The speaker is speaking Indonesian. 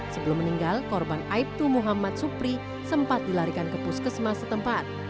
sebelum meninggal korban aibtu muhammad supri sempat dilarikan ke puskesmas setempat